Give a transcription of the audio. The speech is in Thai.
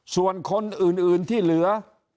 ส่วนคนอื่นที่เหลือ